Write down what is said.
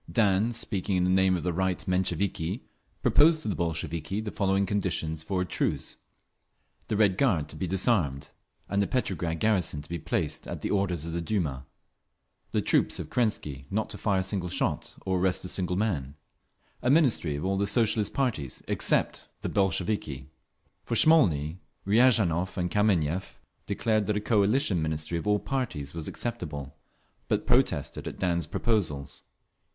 Dan, speaking in the name of the right Mensheviki, proposed to the Bolsheviki the following conditions for a truce: The Red Guard to be disarmed, and the Petrograd garrison to be placed at the orders of the Duma; the troops of Kerensky not to fire a single shot or arrest a single man; a Ministry of all the Socialist parties except the Bolsheviki. For Smolny Riazanov and Kameniev declared that a coalition ministry of all parties was acceptable, but protested at Dan's proposals.